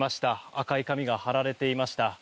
赤い紙が貼られていました。